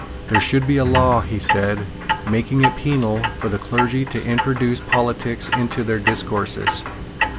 "There should be a law," he said, "making it penal for the clergy to introduce politics into their discourses.